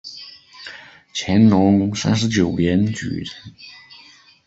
乾隆三十九年举人。